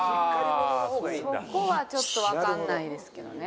そこはちょっとわかんないですけどね。